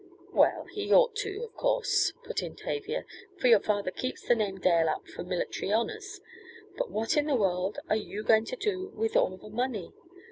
"Well, he ought to, of course," put in Tavia, "for your father keeps the name Dale up for military honors. But what in the world are you going to do with all the money?